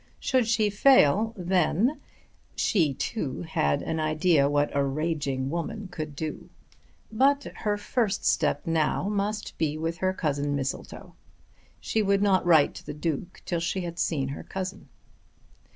Should she fail, then she, too, had an idea what a raging woman could do. But her first step now must be with her cousin Mistletoe. She would not write to the Duke till she had seen her cousin.